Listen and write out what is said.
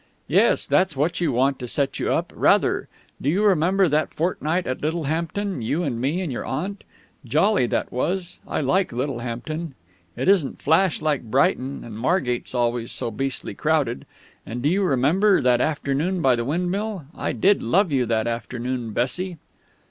"Yes, that's what you want to set you up rather! Do you remember that fortnight at Littlehampton, you and me and your Aunt? Jolly that was! I like Littlehampton. It isn't flash like Brighton, and Margate's always so beastly crowded. And do you remember that afternoon by the windmill? I did love you that afternoon, Bessie!"...